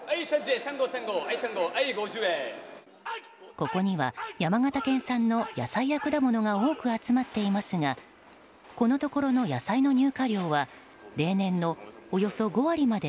ここには山形県産の野菜や果物が多く集まっていますがこのところの野菜の入荷量は例年のおよそ５割まで